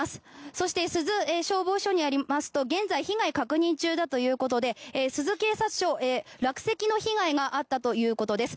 そして、珠洲消防署によりますと現在被害確認中だということで珠洲警察署落石の被害があったということです。